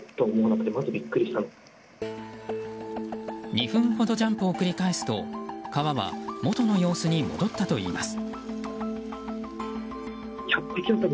２分ほどジャンプを繰り返すと川は元の様子に戻ったといいます。